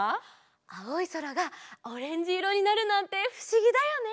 あおいそらがオレンジいろになるなんてふしぎだよね！